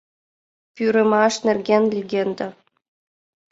ПӰРЫМАШ НЕРГЕН ЛЕГЕНДА